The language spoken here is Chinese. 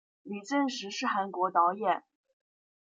李振石是韩国导演。